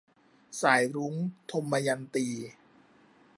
สายรุ้ง - ทมยันตี